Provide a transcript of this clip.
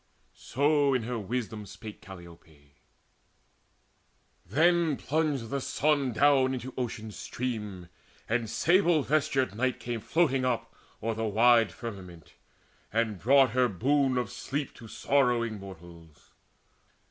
So in her wisdom spake Calliope. Then plunged the sun down into Ocean's stream, And sable vestured Night came floating up O'er the wide firmament, and brought her boon Of sleep to sorrowing mortals.